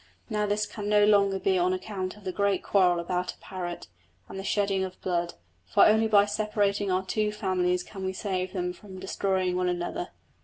Now this can no longer be on account of the great quarrel about a parrot, and the shedding of blood; for only by separating our two families can we save them from destroying one another.